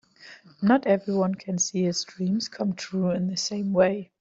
Not everyone can see his dreams come true in the same way.